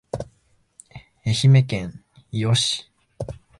愛媛県伊予市